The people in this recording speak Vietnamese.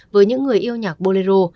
với những người yêu nhạc bolero